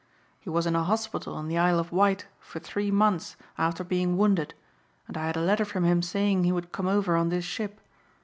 He was in a hospital in the Isle of Wight for three months after being wounded and I had a letter from him saying he would come over on this ship.